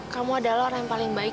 kamu adalah orang yang paling baik